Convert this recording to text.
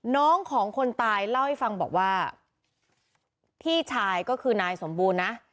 น้องของคนตายเล่าให้ฟังบอกว่าพี่ชายก็คือนายสมบูรณ์นะ